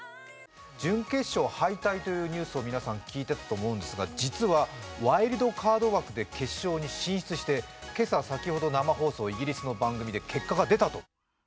準決勝敗退というニュースを皆さん、聞いてたと思うんですが実はワイルドカード枠で決勝に進出して今朝、先ほど生放送、イギリスの番組で結果が出たと。